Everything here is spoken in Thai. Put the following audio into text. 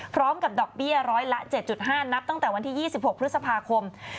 ดอกเบี้ยร้อยละ๗๕นับตั้งแต่วันที่๒๖พฤษภาคม